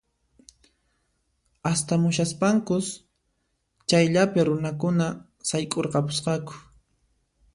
Astamushaspankus chayllapi runakuna sayk'urqapusqaku